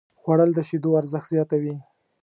خوړل د شیدو ارزښت زیاتوي